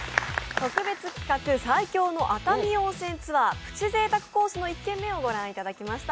特別企画、最強の熱海温泉ツアー、プチぜいたくコースの１件目を見ていただきました。